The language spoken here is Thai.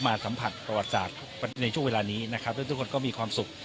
สัมผัสประวัติศาสตร์ในช่วงเวลานี้นะครับแล้วทุกคนก็มีความสุข